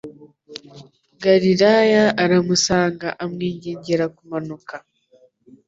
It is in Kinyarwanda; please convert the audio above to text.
Galilaya aramusanga amwingingira kumanuka